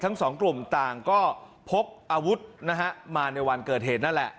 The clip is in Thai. ทั้งสองกลุ่มต่างก็พกอาวุธนะฮะมาในวันเกิดเหตุนั่นแหละ